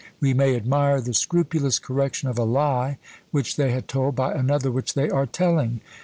we may admire the scrupulous correction of a lie which they had told, by another which they are telling!